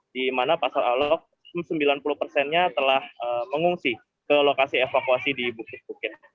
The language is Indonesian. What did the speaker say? di mana pasar alok sembilan puluh persennya telah mengungsi ke lokasi evakuasi di bukit bukit